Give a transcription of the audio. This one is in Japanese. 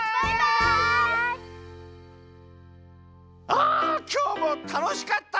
あきょうもたのしかった！